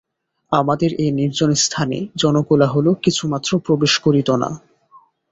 আমাদের এই নির্জন স্থানে জনকোলাহলও কিছুমাত্র প্রবেশ করিত না।